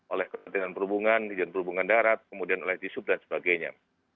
oleh ketentuan perhubungan ketentuan perhubungan darat kemudian oleh jisub dan sebagainya